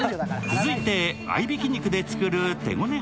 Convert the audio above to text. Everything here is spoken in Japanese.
続いて、合いびき肉で作る手ごね